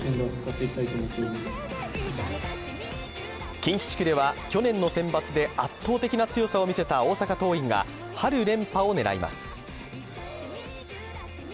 近畿地区では、去年のセンバツで圧倒的な強さを見せた大阪桐蔭が春連覇を狙います。